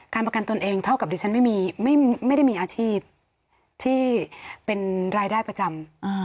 ประกันตนเองเท่ากับดิฉันไม่ได้มีอาชีพที่เป็นรายได้ประจำ